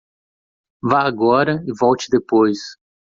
Vá agora e volte depois.